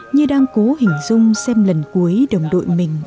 như đang cố hình dung xem lần cuối đồng đội mình